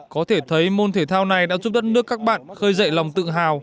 có thể thấy môn thể thao này đã giúp đất nước các bạn khơi dậy lòng tự hào